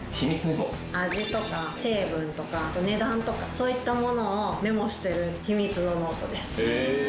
味とか成分とかあと値段とかそういったものをメモしてる秘密のノートです